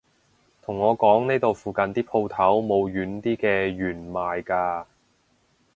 同我講呢度附近啲舖頭冇軟啲嘅弦賣㗎